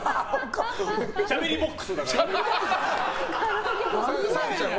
しゃべりボックスだから。